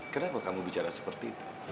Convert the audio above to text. kenapa kamu bicara seperti itu